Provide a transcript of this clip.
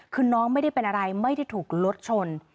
คือน้องไม่ได้เป็นอะไรไม่ได้ถูกรถชน